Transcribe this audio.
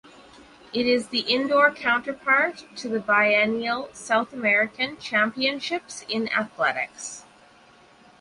It is the indoor counterpart to the biennial South American Championships in Athletics.